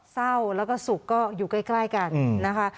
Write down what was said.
เศร้าแล้วก็สุขก็อยู่ใกล้กันนะคะ